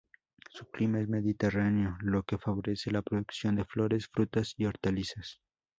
Su clima es mediterráneo, lo que favorece la producción de flores, frutas y hortalizas.